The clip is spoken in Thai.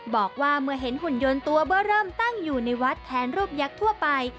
บอกว่าเมื่อเห็นหุ่นยนต์ตัวเบอร์เริ่มตั้งอยู่ในวัดแค้นรูปยักษ์ทั่วไป